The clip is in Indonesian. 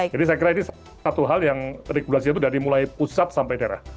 jadi saya kira ini satu hal yang regulasi itu dari mulai pusat sampai daerah